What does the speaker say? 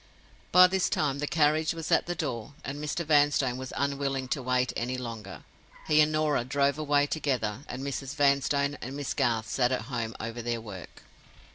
By this time the carriage was at the door, and Mr. Vanstone was unwilling to wait any longer. He and Norah drove away together; and Mrs. Vanstone and Miss Garth sat at home over their work.